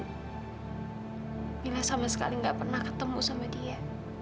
bila sama sekali nggak pernah ketemu sama dia